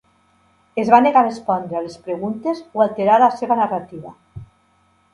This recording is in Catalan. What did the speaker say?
Es va negar a respondre a les preguntes o alterar la seva narrativa.